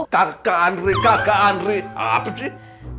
kakak andri kakak andri apa sih